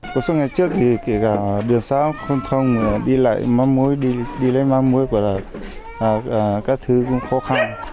cuộc sống ngày trước thì kể cả đường xã không thông đi lấy mắm muối và các thứ cũng khó khăn